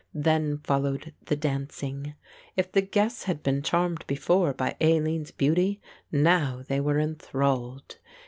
Then followed the dancing. If the guests had been charmed before by Aline's beauty, now they were enthralled.